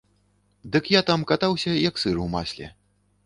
Дык я там катаўся як сыр у масле.